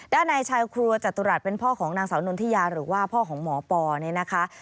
นายชายครัวจตุรัสเป็นพ่อของนางสาวนนทิยาหรือว่าพ่อของหมอปอเนี่ยนะคะ